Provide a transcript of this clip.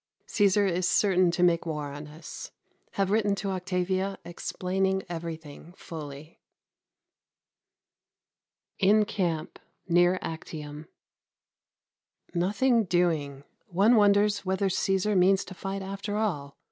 Cæsar is certain to make war on us. Have written to Octavia explaining everything fully. In Camp near Actium. Nothing doing. One wonders whether Cæsar means to fight after all.